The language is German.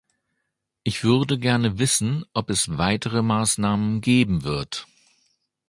Ich würde gerne wissen, ob es weitere Maßnahmen geben wird.